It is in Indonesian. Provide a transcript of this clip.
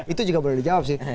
itu juga boleh dijawab sih